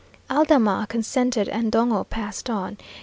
Aldama consented, and Dongo passed on.